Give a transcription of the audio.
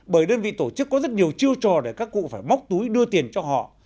bởi đơn vị tổ chức có rất nhiều chiêu trò để các cụ phải móc túi đưa tiền cho họ